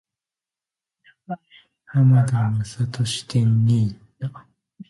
浜田雅功展に行った。